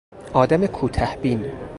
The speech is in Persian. آدم کوته بین